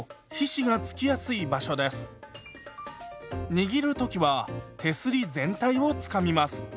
握る時は手すり全体をつかみます。